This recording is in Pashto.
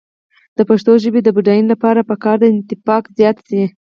د پښتو ژبې د بډاینې لپاره پکار ده چې انطباق زیات شي.